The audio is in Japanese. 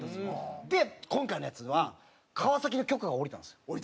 で今回のやつはカワサキの許可が下りたんです。